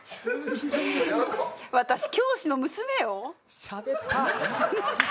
私、教師の娘よ？